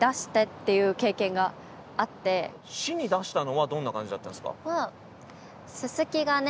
市に出したのはどんな感じだったんですか？